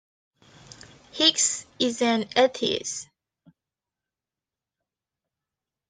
Higgs is an atheist.